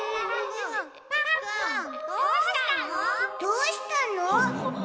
どうしたの？